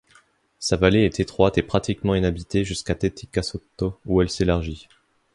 Sa vallée est étroite et pratiquement inhabitée jusqu'à Tetti Casotto, où elle s'élargit.